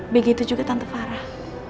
begitu juga tante farah